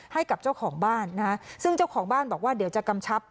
ให้กับเจ้าของบ้านนะฮะซึ่งเจ้าของบ้านบอกว่าเดี๋ยวจะกำชับ